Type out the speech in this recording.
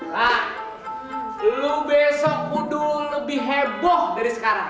nah lo besok udah lebih heboh dari sekarang